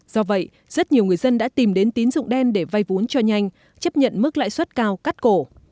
do vậy rất nhiều người dân đã tìm đến tín dụng đen để vay vốn cho nhanh chấp nhận mức lãi suất cao cắt cổ